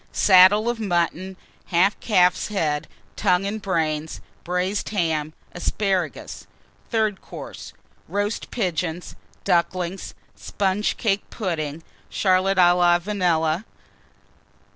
Saddle of Mutton. Half Calf's Head, Tongue, and Brains. Braised Ham. Asparagus. THIRD COURSE. Roast Pigeons. Ducklings. Sponge cake Pudding. Charlotte à la Vanille.